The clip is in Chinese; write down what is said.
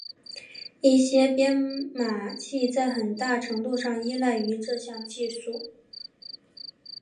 一些编码器在很大程度上依赖于这项技术。